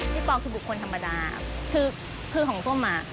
ปอลคือบุคคลธรรมดาคือของส้มอ่ะ